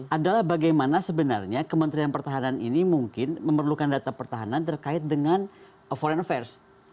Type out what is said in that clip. adalah bagaimana sebenarnya kementerian pertahanan ini mungkin memerlukan data pertahanan terkait dengan foreign fair